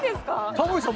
タモリさん